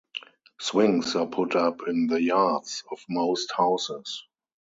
Swings are put up in the yards of most houses.